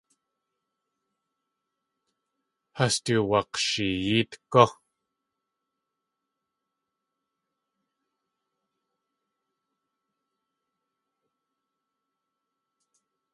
Has du wak̲sheeyeet gú!